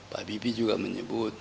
pak habibie juga menyebut